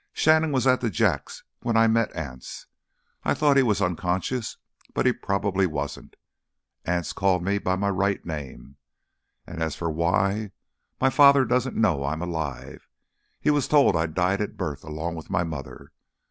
"Shannon was at the Jacks when I met Anse. I thought he was unconscious, but he probably wasn't. Anse called me by my right name. As for why—my father doesn't know I'm alive. He was told I died at birth, along with my mother.